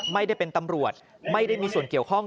ไม่ได้เป็นตำรวจไม่ได้มีส่วนเกี่ยวข้อง